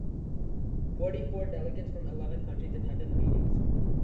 Forty-four delegates from eleven countries attended the meetings.